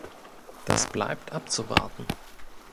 Das bleibt abzuwarten.